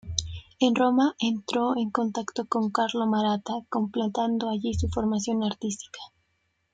En Roma entró en contacto con Carlo Maratta, completando allí su formación artística.